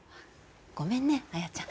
ごめんね彩ちゃん